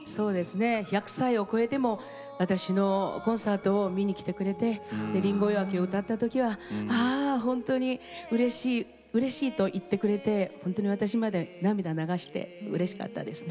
１００歳を超えても私のコンサートを見に来てくれて「リンゴ追分」を歌った時は「あ本当にうれしいうれしい」と言ってくれてほんとに私まで涙流してうれしかったですね。